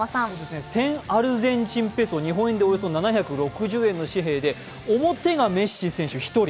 １０００アルゼンチンペソ、日本円でおよそ７６０円の紙幣で表がメッシ選手１人。